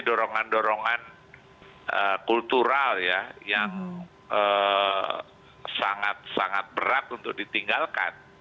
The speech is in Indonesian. dorongan dorongan kultural ya yang sangat sangat berat untuk ditinggalkan